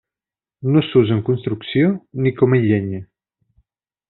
No s'usa en construcció ni com a llenya.